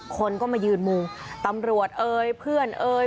คนก็มายืนมุงตำรวจเอ่ยเพื่อนเอ่ย